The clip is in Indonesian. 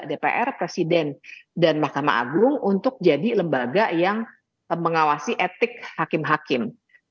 dpr presiden dan mahkamah agung untuk jadi lembaga yang mengawasi etik hakim hakim